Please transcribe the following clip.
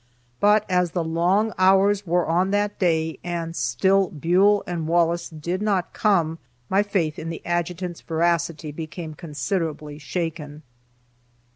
But as the long hours wore on that day, and still Buell and Wallace did not come, my faith in the adjutant's veracity became considerably shaken.